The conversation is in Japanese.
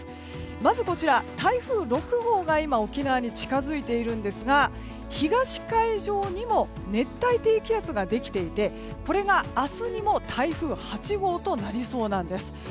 まず、台風６号が今沖縄に近づいていますが東海上にも熱帯低気圧ができていてこれが明日にも台風８号となりそうなんです。